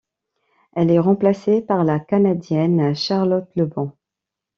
Elle est remplacée par la Canadienne Charlotte Le Bon.